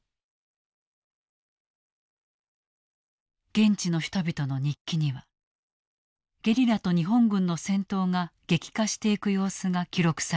現地の人々の日記にはゲリラと日本軍の戦闘が激化していく様子が記録されていく。